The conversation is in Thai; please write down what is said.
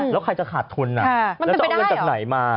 แล้วใครจะขาดทุนแล้วจะเอาเงินจากไหนมา